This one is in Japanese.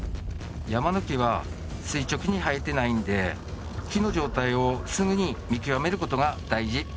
山の木は垂直に生えてないんで木の状態をすぐに見極めることが大事。